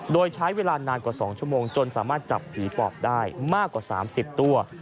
โดยใช้เวลานานกว่า๒ชั่วโมงจนสามารถจับผีปอบได้มากกว่า๓๐ตัว